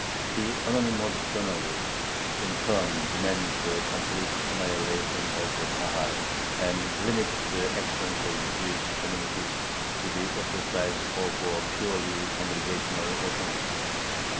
The anonymous journalist in turn demands the complete annihilation of the Kahal and limits the action of the Jewish communities to the exercise of a purely congregational autonomy.